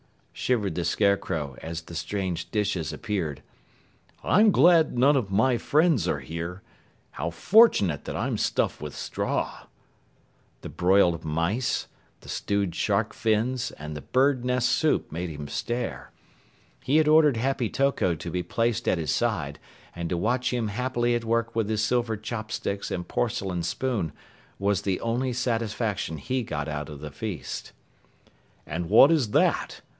shivered the Scarecrow as the strange dishes appeared, "I'm glad none of my friends are here. How fortunate that I'm stuffed with straw!" The broiled mice, the stewed shark fins and the bird nest soup made him stare. He had ordered Happy Toko to be placed at his side, and to watch him happily at work with his silver chopsticks and porcelain spoon was the only satisfaction he got out of the feast. "And what is that?"